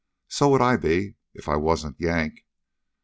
"So would I be, if I wasn't Yank.